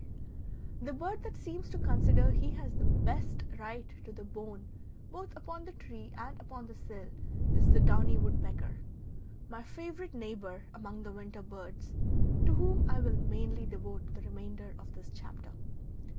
The bird that seems to consider he has the best right to the bone both upon the tree and upon the sill is the downy woodpecker, my favorite neighbor among the winter birds, to whom I will mainly devote the remainder of this chapter.